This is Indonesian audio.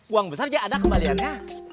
uang besar dia ada kembaliannya